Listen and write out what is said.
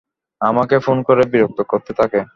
আমাকে ফোন করে বিরক্ত করতে থাকে।